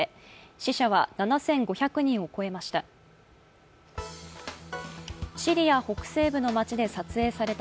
死者は７５００人を超えました。